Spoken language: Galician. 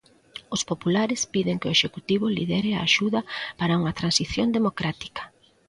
Os populares piden que o executivo lidere a axuda para unha transición democrática.